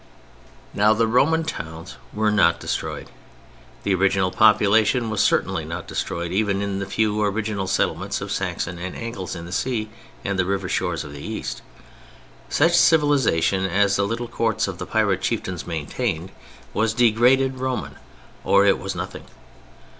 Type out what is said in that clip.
Now the Roman towns were not destroyed, the original population was certainly not destroyed even in the few original settlements of Saxon and Angles in the sea and river shores of the East. Such civilization as the little courts of the Pirate chieftains maintained was degraded Roman or it was nothing.